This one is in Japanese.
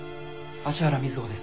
芦原瑞穂です。